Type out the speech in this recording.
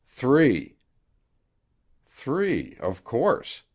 _] "Three, of course.